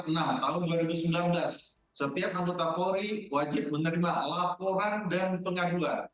nah tahun dua ribu sembilan belas setiap kandung kaporri wajib menerima laporan dan pengaduan